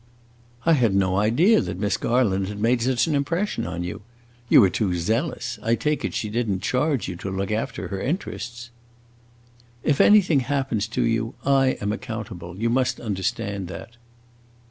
"I had no idea that Miss Garland had made such an impression on you. You are too zealous; I take it she did n't charge you to look after her interests." "If anything happens to you, I am accountable. You must understand that."